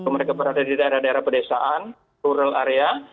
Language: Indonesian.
mereka berada di daerah daerah pedesaan rural area